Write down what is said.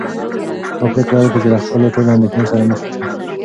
ما پرېکړه وکړه چې له خپلو ټولو اندېښنو سره مخ شم.